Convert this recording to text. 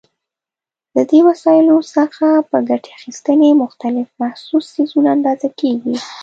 له دې وسایلو څخه په ګټې اخیستنې مختلف محسوس څیزونه اندازه کېږي.